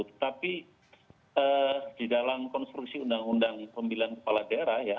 tetapi di dalam konstruksi undang undang pemilihan kepala daerah ya